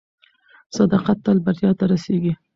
صداقت تل بریا ته رسیږي.